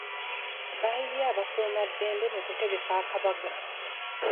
Baayiye abakuuma ddembe mu kutegeka akabaga.